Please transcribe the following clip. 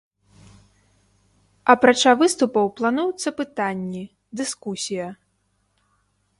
Апрача выступаў плануюцца пытанні, дыскусія.